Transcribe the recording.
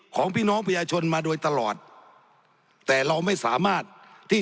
ของพี่น้องประชาชนมาโดยตลอดแต่เราไม่สามารถที่